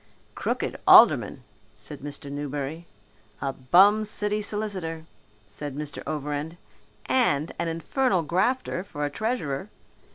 "Crooked aldermen," said Mr. Newberry. "A bum city solicitor," said Mr. Overend, "and an infernal grafter for treasurer."